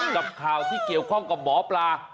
กับข่าวที่เกี่ยวข้องกับหมอปลา